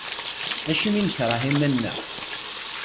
Acimi i nekreh iman-nneɣ?